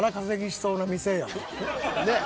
ねえ。